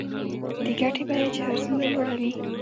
د ګټې بیه چې هر څومره لوړه وي